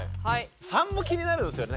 ３も気になるんですよね。